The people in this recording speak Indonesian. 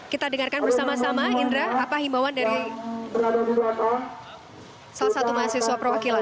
kita dengarkan bersama sama indra apa himauan dari salah satu mahasiswa pro wakilan